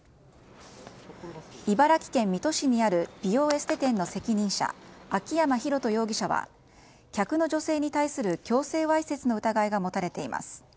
茨城県水戸市にある美容エステ店の責任者秋山広人容疑者は客の女性に対する強制わいせつの疑いが持たれています。